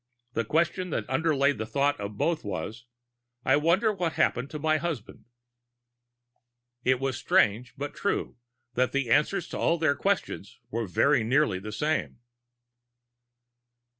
The question that underlay the thoughts of both was: I wonder what happened to my husband. It was strange, but true, that the answers to all their questions were very nearly the same.